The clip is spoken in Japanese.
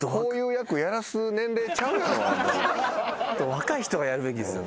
若い人がやるべきですよ。